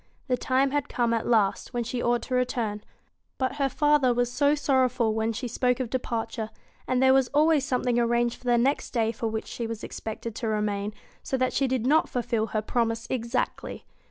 The time had come at last when she ought to return ; but her father was so sorrowful when she spoke of departure, and there was always some thing arranged for the next day for which she was expected to remain, so that she did not fulfil her promise exactly.